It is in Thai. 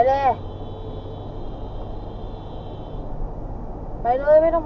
เดี๋ยวพวกมันก็หลบ